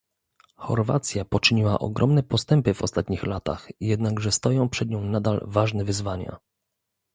Chorwacja poczyniła ogromne postępy w ostatnich latach, jednakże stoją przed nią nadal ważne wyzwania